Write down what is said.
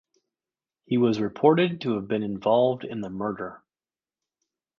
He was reported to have been involved in the murder.